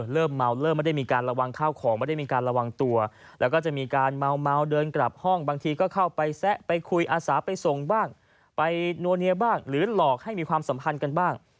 เริ่มเมาเริ่มไม่ได้มีการระวังข้าวของไม่ได้มีการระวังตัวแล้วก็จะมีการเมาเดินกลับห้องบางทีก็เข้าไปแซะไปคุยอาสาไปส่งบ้างไปนัวเนียบ้างหรือหลอกให้มีความสัมพันธ์กันบ้าง